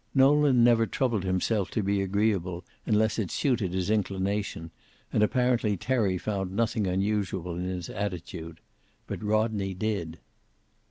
Nolan never troubled himself to be agreeable unless it suited his inclination, and apparently Terry found nothing unusual in his attitude. But Rodney did.